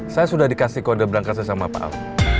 saya sudah dikasih kode berangkasnya sama pak al